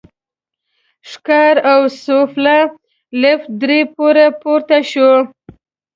ښکار او سوفله، لېفټ درې پوړه پورته شو.